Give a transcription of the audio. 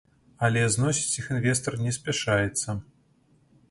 Але зносіць іх інвестар не спяшаецца.